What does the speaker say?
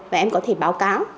và em có thể báo cáo